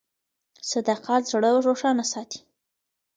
صداقت زړه روښانه ساتي.